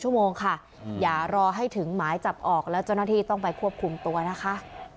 ชั่วโมงค่ะอย่ารอให้ถึงหมายจับออกแล้วเจ้าหน้าที่ต้องไปควบคุมตัวนะคะ